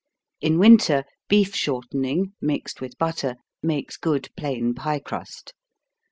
In winter, beef shortening, mixed with butter, makes good plain pie crust.